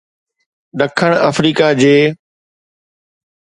ڏکڻ آفريڪا جي